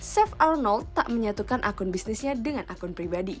chef arnold tak menyatukan akun bisnisnya dengan akun pribadi